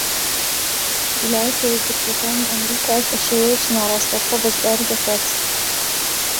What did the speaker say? ویلایەتە یەکگرتووەکانی ئەمریکاش بە شێوەیەکی ناڕاستەوخۆ بەشداری دەکات.